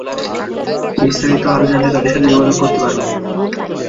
বিস্তারিত আরো জানতে তাদের সাথে যোগাযোগ করতে পার।